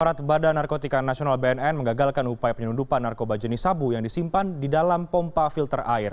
aparat badan narkotika nasional bnn mengagalkan upaya penyelundupan narkoba jenis sabu yang disimpan di dalam pompa filter air